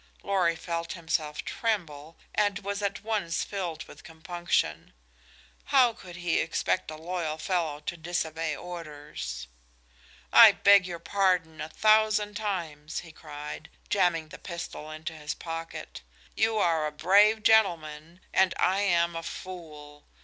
Lorry felt him tremble, and was at once filled with compunction. How could he expect a loyal fellow to disobey orders? "I beg your pardon a thousand times," he cried, jamming the pistol into his pocket. "You are a brave gentleman and I am a fool.